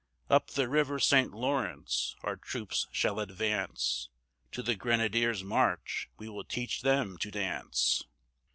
Up the River St. Lawrence our troops shall advance, To the Grenadiers' March we will teach them to dance.